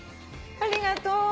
ありがとう！